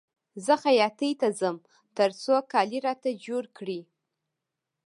زه خیاطۍ ته ځم تر څو کالي راته جوړ کړي